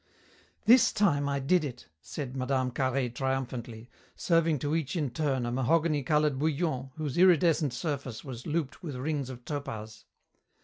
"This time I did it!" said Mme. Carhaix triumphantly, serving to each in turn a mahogany colour bouillon whose iridescent surface was looped with rings of topaz.